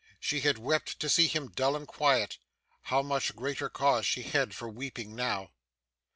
She had wept to see him dull and quiet. How much greater cause she had for weeping now!